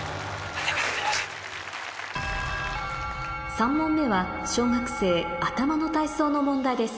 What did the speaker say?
３問目は小学生頭の体操の問題です